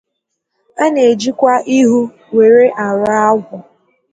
A na ejikwa ighū were arụ agwụ